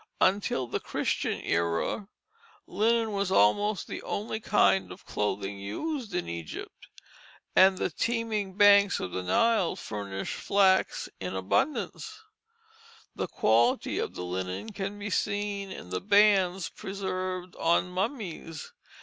Until the Christian era linen was almost the only kind of clothing used in Egypt, and the teeming banks of the Nile furnished flax in abundance. The quality of the linen can be seen in the bands preserved on mummies.